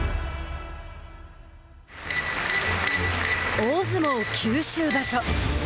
大相撲九州場所。